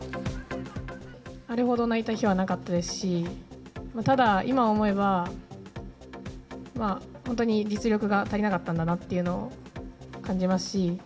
あれほど泣いた日はなかったですし、ただ、今思えば、本当に、実力が足りなかったんだなというのを感じますし。